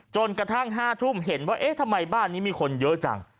กระทั่ง๕ทุ่มเห็นว่าเอ๊ะทำไมบ้านนี้มีคนเยอะจัง